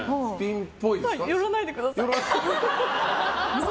寄らないでください。